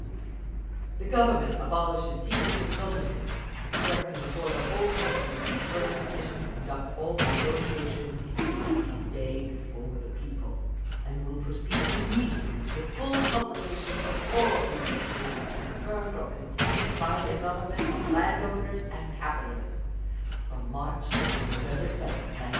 The Government abolishes secret diplomacy, expressing before the whole country its firm decision to conduct all the negotiations in the light of day before the people, and will proceed immediately to the full publication of all secret treaties confirmed or concluded by the Government of land owners and capitalists, from March until November 7th, 1917.